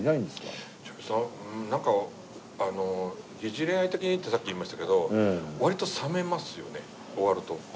なんか「疑似恋愛的に」ってさっき言いましたけど割と冷めますよね終わると。